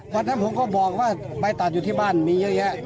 ผมก็บอกว่าใบตัดอยู่ที่บ้านมีเยอะแยะ